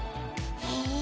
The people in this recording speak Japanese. へえ